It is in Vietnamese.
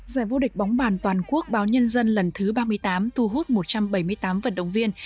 giải vô địch bóng bàn toàn quốc báo nhân dân lần thứ ba mươi tám thu hút một trăm bảy mươi tám vận động viên